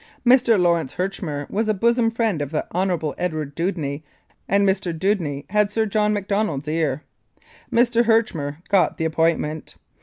Mr. Lawrence Herchmer was a bosom friend of the Hon. Edgar Dewdney, and Mr. Dewdney had Sir John Macdonald's ear. Mr. Herchmer got the appointment.